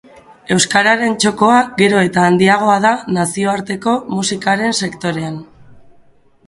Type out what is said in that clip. Euskararen txokoa gero eta handiagoa da nazioarteko musikaren sektorean.